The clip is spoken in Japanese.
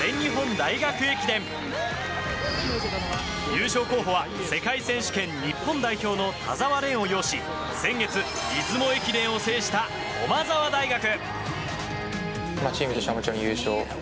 優勝候補は世界選手権日本代表の田澤廉を擁し先月、出雲駅伝を制した駒澤大学。